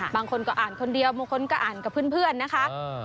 บางคนก็อ่านคนเดียวบางคนก็อ่านกับเพื่อนนะคะ